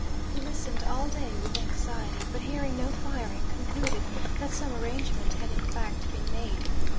We listened all day with anxiety, but hearing no firing, concluded that some arrangement had in fact been made.